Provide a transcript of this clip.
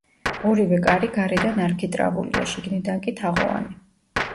ორივე კარი გარედან არქიტრავულია, შიგნიდან კი თაღოვანი.